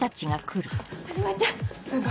はじめちゃん！